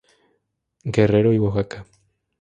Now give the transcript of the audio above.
Guerrero y Oaxaca.